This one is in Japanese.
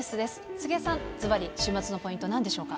杉江さん、ずばり週末のポイント、なんでしょうか。